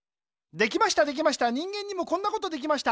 できましたできました人間にもこんなことできました。